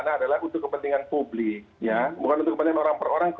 nah adalah untuk kepentingan publik ya